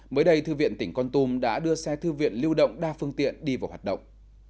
mới đây thư viện tỉnh con tum đã đưa xe thư viện lưu động đa phương tiện đi vào hoạt động